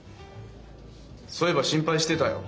そういえば心配してたよ。